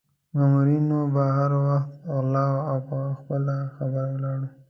مامورینو به هر وخت غولاوه او پر خپله خبره ولاړ وو.